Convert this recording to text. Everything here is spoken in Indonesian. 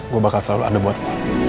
gua bakal selalu ada buat lo